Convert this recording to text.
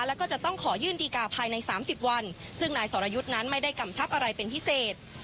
แล้วก็จะต้องขอยื่นดีการ์ภายใน๓๐วันซึ่งนายสรยุทธ์นั้นไม่ได้กำชับอะไรเป็นพิเศษ